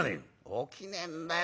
「起きねえんだよ。